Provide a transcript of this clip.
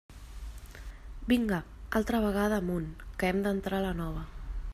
Vinga, altra vegada amunt, que hem d'entrar la nova.